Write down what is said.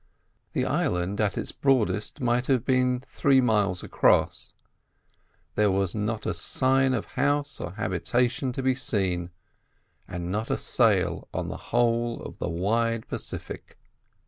The island at its broadest might have been three miles across. There was not a sign of house or habitation to be seen, and not a sail on the whole of the wide Pacific.